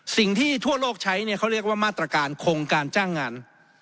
สิ่งที่ทั่วโลกใช้เขาเรียกว่ามาตรการคงการจ้างงาน